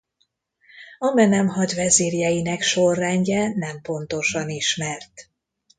Amenemhat vezírjeinek sorrendje nem pontosan ismert.